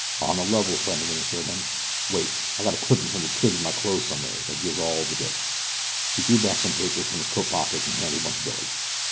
"On the level," Flannagan assured him. "Wait, I gotta clippin' from the Trib in my clothes somewheres that gives all the dope." He drew some papers from his coat pocket and handed one to Billy.